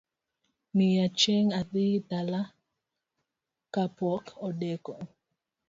Miya chenj adhi dala kapok odeko